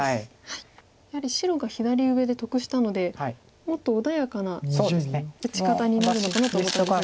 やはり白が左上で得したのでもっと穏やかな打ち方になるのかなと思ったんですが。